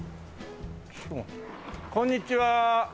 こんにちは。